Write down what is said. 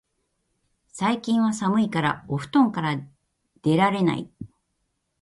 最近は寒いからお布団から出られない